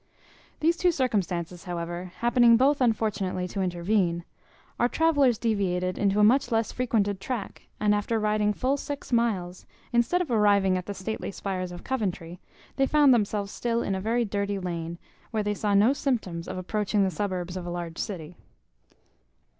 These two circumstances, however, happening both unfortunately to intervene, our travellers deviated into a much less frequented track; and after riding full six miles, instead of arriving at the stately spires of Coventry, they found themselves still in a very dirty lane, where they saw no symptoms of approaching the suburbs of a large city.